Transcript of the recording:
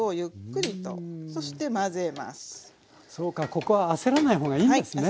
そうかここは焦らない方がいいんですね。